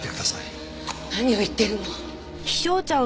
何を言っているの？